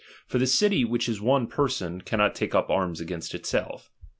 For the city, which is one person, cannot take up arms against itself.